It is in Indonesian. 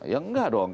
ya enggak dong